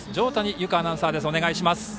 有香アナウンサーです。